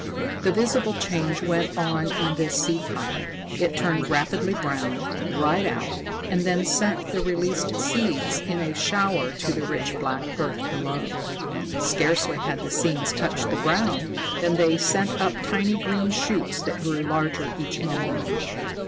The visible change went on in this seed pod. It turned rapidly brown, dried out, and then sent the released seeds in a shower to the rich black earth below. Scarcely had the seeds touched the ground than they sent up tiny green shoots that grew larger each moment.